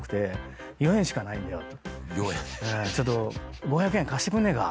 ちょっと５００円貸してくんねえか？